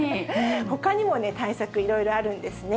ほかにも対策、いろいろあるんですね。